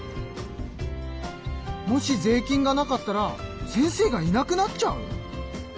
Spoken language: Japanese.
もし税金がなかったら先生がいなくなっちゃう！？